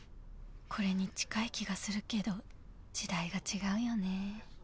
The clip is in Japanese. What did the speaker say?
これに近い気がするけど時代が違うよね